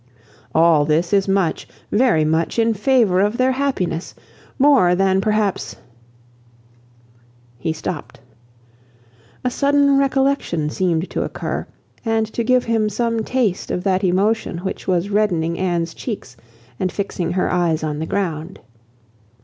All this is much, very much in favour of their happiness; more than perhaps—" He stopped. A sudden recollection seemed to occur, and to give him some taste of that emotion which was reddening Anne's cheeks and fixing her eyes on the ground.